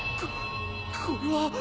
ここれは。